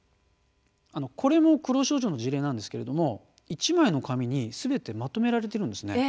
これも黒潮町の事例なんですけれども１枚の紙にすべてまとめられているんです。